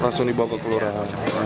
langsung dibawa ke kelurahan